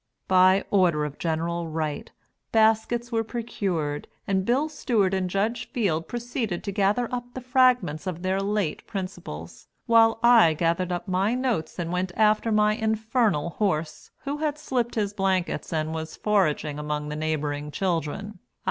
By order of Gen. Wright, baskets were procured, and Bill Stewart and Judge Field proceeded to gather up the fragments of their late principals, while I gathered up my notes and went after my infernal horse, who had slipped his blankets and was foraging among the neighboring children.